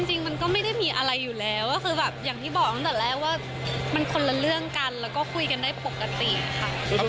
จริงมันก็ไม่ได้มีอะไรอยู่แล้วก็คือแบบอย่างที่บอกตั้งแต่แรกว่ามันคนละเรื่องกันแล้วก็คุยกันได้ปกติค่ะ